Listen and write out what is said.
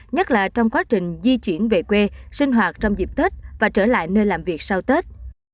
nhất là trong quá trình di chuyển về quê sinh hoạt trong dịp tết và trở lại nơi làm việc sau tết